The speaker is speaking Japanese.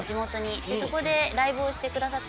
そこでライブをしてくださったんですよ。